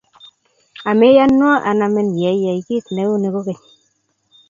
omeyonwo anamin yeiyai kiit neu ni kokeny